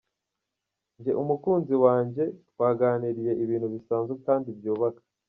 Njye umukunzi wanjye twaganiriye ibintu bisanzwe kandi byubaka.